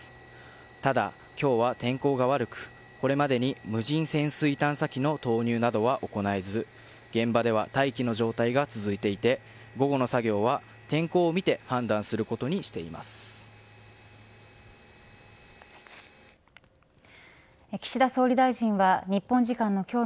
ただ、今日は天候が悪くこれまでに無人潜水探査機などの投入は行われず現場では待機の状態が続いていて午後の作業は天候をみて判断することにし岸田総理大臣は日本時間の今日